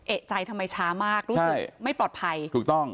เอกใจทำไมช้ามากรู้สึกไม่ปลอดภัยถูกต้อง